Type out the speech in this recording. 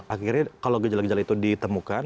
akhirnya kalau gejala gejala itu ditemukan